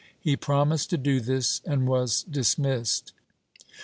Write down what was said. He promised to do this and was dismissed.